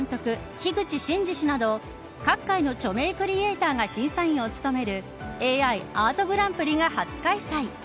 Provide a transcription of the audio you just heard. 樋口真嗣氏など各界の著名クリエイターが審査員を務めるＡＩアートグランプリが初開催。